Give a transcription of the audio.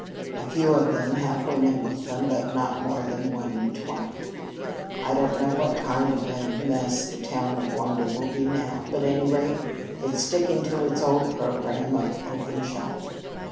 A few of them have women with them, but not more than one in twenty. I don't know what kind of a mess the town of Wander will be now, but at any rate, it's sticking to its old programme of 'open shop.'